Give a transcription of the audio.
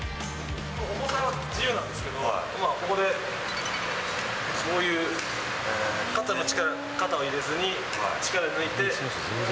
重さは自由なんですけど、まあ、ここで、こういう、力入れずに、肩の力抜いて。